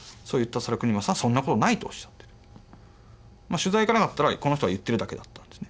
取材行かなかったらこの人は言ってるだけだったんですね。